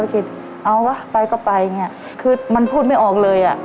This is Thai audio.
เอาวะไปก็ไปอย่างนี้คือมันพูดไม่ออกเลยอ่ะ